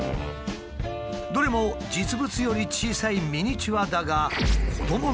どれも実物より小さいミニチュアだが本当だ。